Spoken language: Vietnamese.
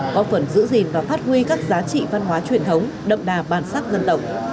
có phần giữ gìn và phát huy các giá trị văn hóa truyền thống đậm đà bản sắc dân tộc